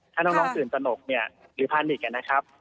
ถ้าน้องตื่นตนกหรือพ่านอีกกันนะครับ